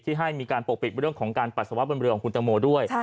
ให้มีการปกปิดเรื่องของการปัสสาวะบนเรือของคุณตังโมด้วย